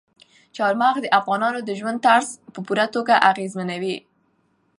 چار مغز د افغانانو د ژوند طرز په پوره توګه اغېزمنوي.